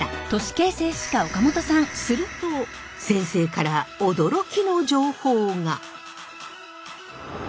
すると先生から驚きの情報が！